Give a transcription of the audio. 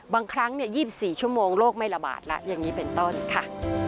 บางครั้ง๒๔ชั่วโมงโรคไม่ระบาดแล้วอย่างนี้เป็นต้นค่ะ